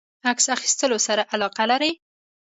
عکس اخیستلو سره علاقه لری؟